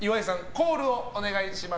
コールをお願いします。